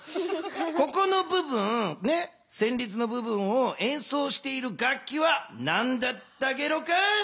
ここの部分ねせんりつの部分をえんそうしている楽器はなんだったゲロか？